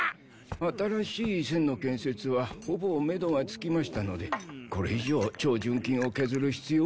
新しい栓の建設はほぼめどがつきましたのでこれ以上超純金を削る必要はないかと。